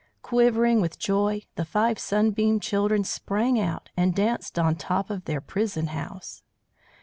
Quivering with joy, the five Sunbeam Children sprang out and danced on top of their prison house.